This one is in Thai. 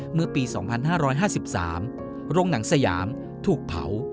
เมื่อปี๒๕๕๓โรงหนังสยามถูกเผา